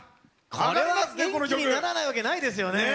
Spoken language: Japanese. これは元気にならないわけがないですよね！